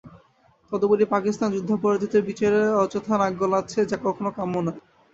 তদুপরি পাকিস্তান যুদ্ধাপরাধীদের বিচারে অযথা নাক গলাচ্ছে, যা কখনো কাম্য নয়।